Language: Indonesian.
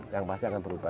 yang pasti akan berubah